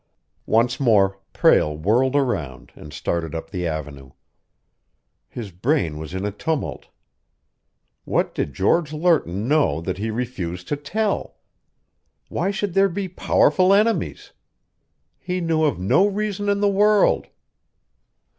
Once more, Prale whirled around and started up the Avenue. His brain was in a tumult. What did George Lerton know that he refused to tell? Why should there be powerful enemies? He knew of no reason in the world.